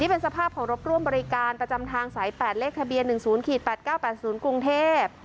นี่เป็นสภาพของรถร่วมบริการประจำทางสายแปดเลขทะเบียนหนึ่งศูนย์ขีดแปดเก้าแปดศูนย์กรุงเทพ